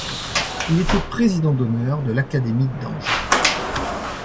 Il était président d'honneur de l'Académie d'Angers.